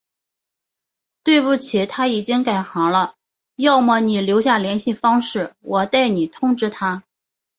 对不起，他已经改行了，要么你留下联系方式，我代你通知他。